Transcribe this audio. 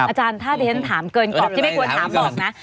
อาจารย์ถ้าดิฉันถามเกินกรอบที่ไม่ควรถามบอกนะ